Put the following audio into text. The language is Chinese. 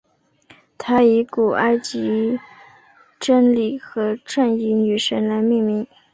它以古埃及真理和正义女神来命名。